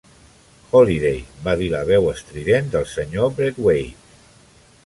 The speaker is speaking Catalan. "Holliday", va dir la veu estrident del senyor Braithwaite.